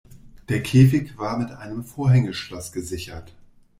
Der Käfig war mit einem Vorhängeschloss gesichert.